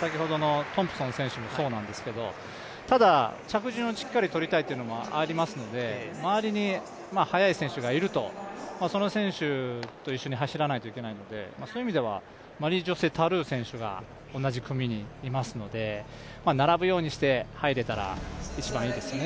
先ほどのトンプソン選手もそうなんですけど、ただ着順をしっかりとりたいというのがありますので、周りに速い選手がいるとその選手と一緒に走らないといけないので、そういう意味ではマリー・ジョセ・タルー選手が同じ組にいますので、並ぶようにして入れたら一番いいですよね。